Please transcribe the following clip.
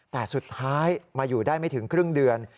แต่สุดท้ายมาอยู่ได้ไม่ถึงครึ่งเดือน